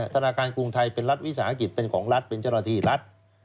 ธนาคารกรุงไทยเป็นรัฐวิสาหกิจเป็นของรัฐเป็นเจ้าหน้าที่รัฐ